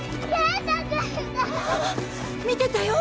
見てたよ。